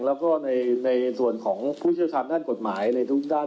แล้วก็ในส่วนของผู้เชี่ยวชาญด้านกฎหมายในทุกด้าน